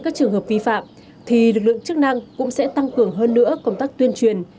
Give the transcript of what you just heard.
các trường hợp vi phạm thì lực lượng chức năng cũng sẽ tăng cường hơn nữa công tác tuyên truyền